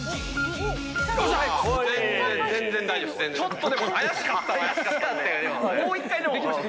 全然大丈夫です。